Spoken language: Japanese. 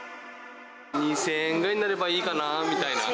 ２０００円ぐらいになればいいかなみたいな。